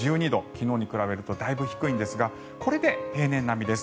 昨日に比べるとだいぶ低いんですがこれで平年並みです。